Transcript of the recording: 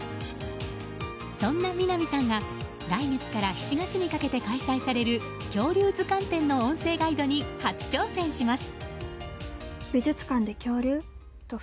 そんな南さんが来月から７月にかけて開催される「恐竜図鑑」展の音声ガイドに初挑戦します。